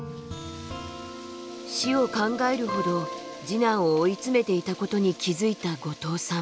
死を考えるほど次男を追いつめていたことに気付いた後藤さん。